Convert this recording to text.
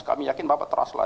kami yakin bapak trust lah